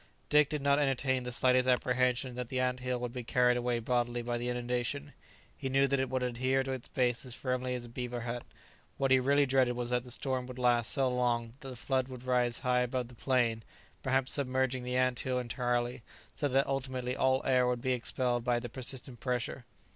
Dick did not entertain the slightest apprehension that the ant hill would be carried away bodily by the inundation; he knew that it would adhere to its base as firmly as a beaver hut; what he really dreaded was that the storm would last so long that the flood would rise high above the plain, perhaps submerging the ant hill entirely, so that ultimately all air would be expelled by the persistent pressure.